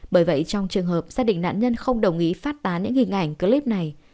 bởi vậy trong trường hợp gia đình nạn nhân không đồng ý phát tán những hình ảnh clip này